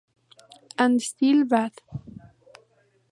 And Still Bad".